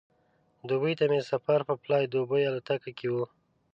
دوبۍ ته مې سفر په فلای دوبۍ الوتکه کې و.